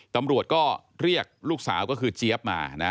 ตำรวจก็เรียกลูกสาวก็คือเจี๊ยบมานะ